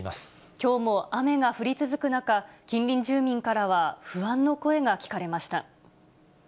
きょうも雨が降り続く中、近隣住民からは不安の声が聞かれました。